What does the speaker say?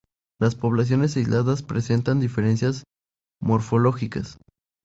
Las poblaciones aisladas presentan diferencias morfológicas.